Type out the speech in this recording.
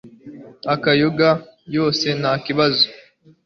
akayoga yose nta kibazo